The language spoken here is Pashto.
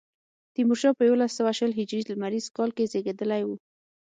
تیمورشاه په یوولس سوه شل هجري لمریز کال کې زېږېدلی و.